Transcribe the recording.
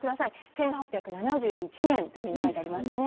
１８７１年というふうに書いてありますよね。